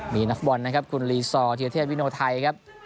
มีนักฟุตบอลนะครับคุณลีซอร์เทียเทพวิโนไทยครับ